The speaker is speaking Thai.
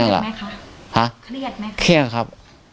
เขาไม่ทราบครับ